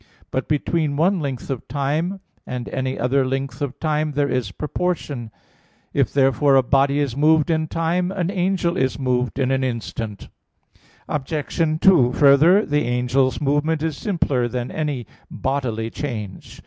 But between one length of time and any other length of time there is proportion. If therefore a body is moved in time, an angel is moved in an instant. Obj. 2: Further, the angel's movement is simpler than any bodily change.